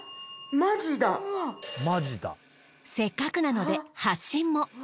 せっかくなので発信も。